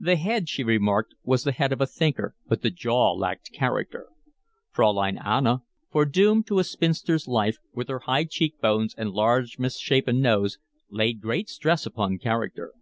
The head, she remarked, was the head of a thinker, but the jaw lacked character. Fraulein Anna, foredoomed to a spinster's life, with her high cheek bones and large misshapen nose, laid great stress upon character.